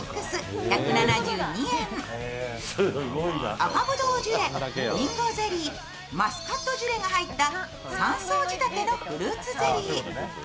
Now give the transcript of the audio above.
赤ぶどうジュレ、りんごゼリー、マスカットジュレが入った３層仕立てのフルーツゼリー。